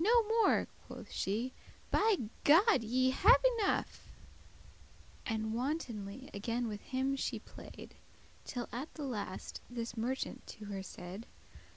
"No more," quoth she, "by God ye have enough;" And wantonly again with him she play'd, Till at the last this merchant to her said.